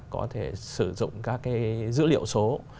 có thể sử dụng các cái dữ liệu số